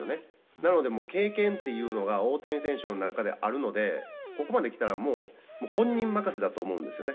なので、もう経験っていうのが大谷選手の中であるので、ここまできたら、もう本人任せだと思うんですよね。